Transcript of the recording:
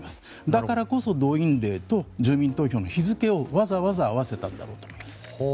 だからこそ動員令と住民投票の日付をわざわざ合わせたんだろうと思います。